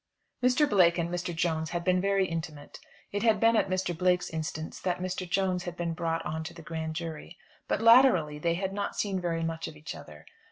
Mr. Blake and Mr. Jones had been very intimate. It had been at Mr. Blake's instance that Mr. Jones had been brought on to the Grand Jury. But latterly they had not seen very much of each other.